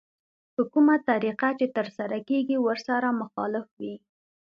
په کومه طريقه چې ترسره کېږي ورسره مخالف وي.